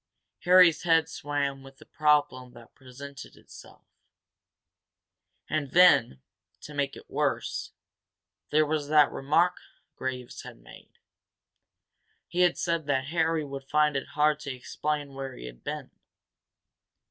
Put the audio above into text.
Harry's head swam with the problem that presented itself. And then, to make it worse, there was that remark Graves had made. He had said Harry would find it hard to explain where he had been.